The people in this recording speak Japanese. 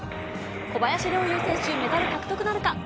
小林陵侑選手、メダル獲得なるか。